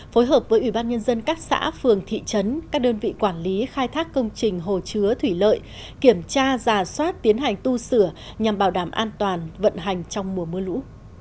phối hợp với ủy ban nhân dân các xã phường thị trấn các đơn vị quản lý khai thác công trình hồ chứa thủy lợi kiểm tra giả soát tiến hành tu sửa nhằm bảo đảm an toàn vận hành trong mùa mưa lũ